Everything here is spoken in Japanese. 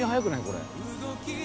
これ。